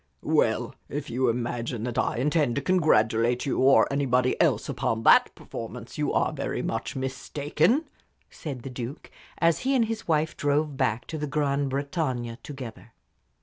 "Well, if you imagine that I intend to congratulate you or anybody else upon that performance you are very much mistaken," said the Duke, as he and his wife drove back to the "Grand Bretagne" together.